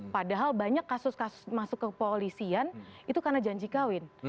padahal banyak kasus kasus masuk ke kepolisian itu karena janji kawin